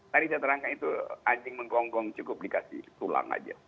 tadi saya terangkan itu anjing menggonggong cukup dikasih tulang aja